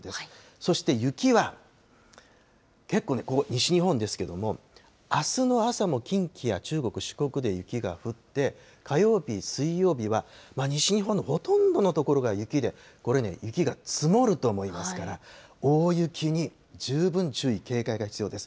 そして雪は結構、西日本まで、あすの朝も近畿や中国、四国で雪が降って、火曜日、水曜日は西日本のほとんどの所が雪で、これね、雪が積もると思いますから、大雪に十分注意、警戒が必要です。